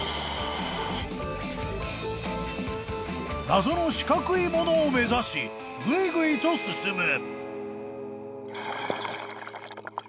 ［謎の四角いものを目指しぐいぐいと進む］